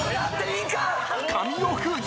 神尾楓珠。